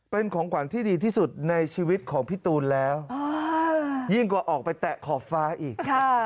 เป็นของขวัญที่ดีที่สุดในชีวิตของพี่ตูนแล้วยิ่งกว่าออกไปแตะขอบฟ้าอีก